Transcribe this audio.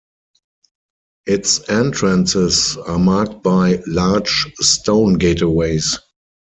Its entrances are marked by large stone gateways.